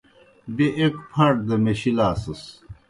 بیْہ ایْک پھاٹ دہ میشِلاسَس۔